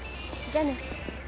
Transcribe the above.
じゃあね。